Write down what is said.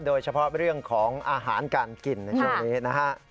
โดยเฉพาะเรื่องของอาหารการกินจุดนี้นะครับ